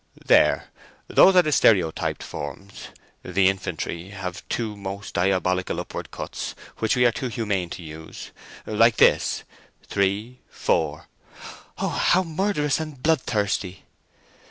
"There, those are the stereotyped forms. The infantry have two most diabolical upward cuts, which we are too humane to use. Like this—three, four." "How murderous and bloodthirsty!"